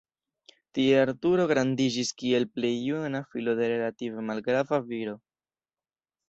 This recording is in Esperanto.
Tie Arturo grandiĝis kiel plej juna filo de relative malgrava viro.